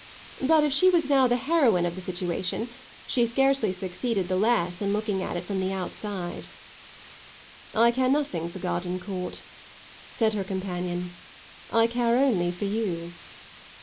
But if she was now the heroine of the situation she succeeded scarcely the less in looking at it from the outside. "I care nothing for Gardencourt," said her companion. "I care only for you."